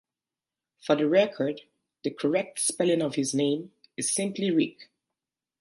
For the record, the correct spelling of his name is simply Rick.